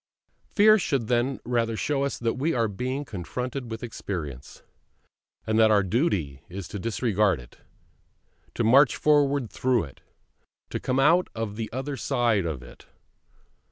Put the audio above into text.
Fear should then rather show us that we are being confronted with experience; and that our duty is to disregard it, to march forward through it, to come out on the other side of it.